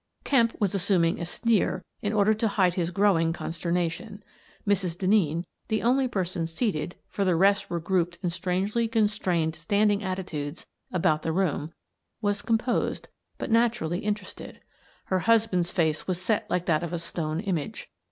Kemp was assuming a sneer in order to hide his growing consternation. Mrs. Denneen — the only person seated, for the rest were grouped in strangely constrained standing attitudes about the room — was composed, but naturally interested. Her husband's face was set like that of a stone image.